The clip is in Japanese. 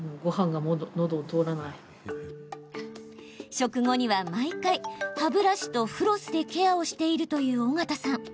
食後には毎回歯ブラシとフロスでケアをしているという緒方さん。